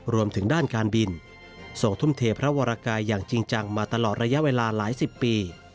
รวมถึงด้านการบินส่งทุ่มเทพระวรกายอย่างจริงจังมาตลอดระยะเวลาหลายสิบปี